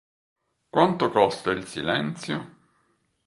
Quanto costa il silenzio?